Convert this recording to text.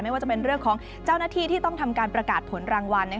ว่าจะเป็นเรื่องของเจ้าหน้าที่ที่ต้องทำการประกาศผลรางวัล